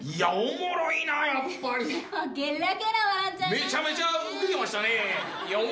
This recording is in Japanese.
めちゃめちゃウケてましたね。